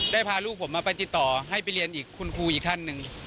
พาลูกผมไปติดต่อให้ไปเรียนอีกคุณครูอีกท่านหนึ่ง